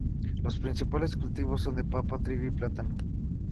Los principales cultivos son de papa, trigo y plátano